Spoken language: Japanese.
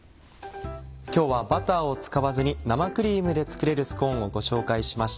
今日はバターを使わずに生クリームで作れるスコーンをご紹介しました。